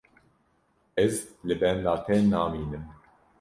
Ez li benda te namînim.